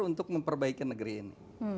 untuk memperbaiki negeri ini